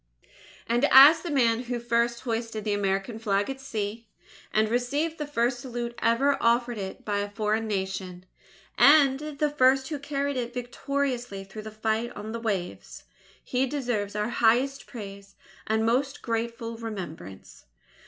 And as the man who first hoisted the American Flag at sea, and received the first salute ever offered it by a foreign Nation, and the first who carried it victoriously through the fight on the waves, he deserves our highest praise and most grateful remembrance.